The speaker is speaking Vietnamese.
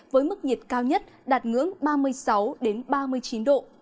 với mức nhiệt cao nhất đạt ngưỡng ba mươi sáu ba mươi chín độ